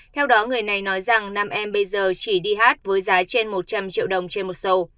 theo đó người này nói rằng nam em bây giờ chỉ đi hát với giá trên một trăm linh triệu đồng trên một sầu